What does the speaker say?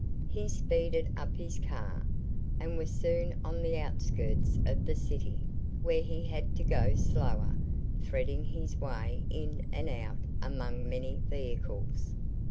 He speeded up his car, and was soon on the outskirts of the city, where he had to go slower, threading his way in and out among many vehicles.